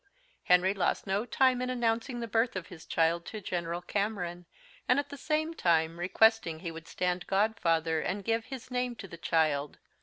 Henry lost no time in announcing the birth of his child to General Cameron, and at the same time requesting he would stand godfather, and give his name to the child.